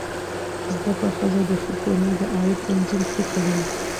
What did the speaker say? زده کړه ښځه د کورنۍ د عاید تنظیم ښه کوي.